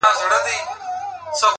• بس ده ه د غزل الف و با مي کړه ـ